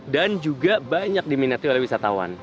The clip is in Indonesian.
dan juga banyak diminati oleh wisatawan